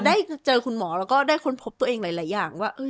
ได้เจอคุณหมอแล้วก็ได้ค้นพบตัวเองหลายอย่างว่า